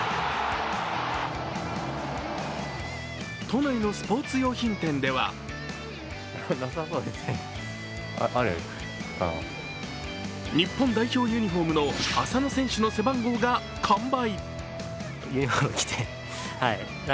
都内のスポーツ用品店では日本代表ユニフォームの浅野選手の背番号が完売。